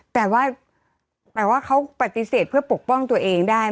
แต่ว่าหมายว่าเขาปฏิเสธเพื่อปกป้องตัวเองได้